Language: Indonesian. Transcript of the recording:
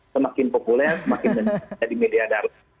semakin populer semakin menjadi media dark